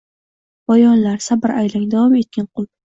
— Boyonlar, sabr aylang… davom etgin, qul!